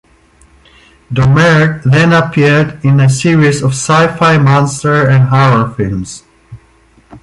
Domergue then appeared in a series of sci-fi monster and horror films.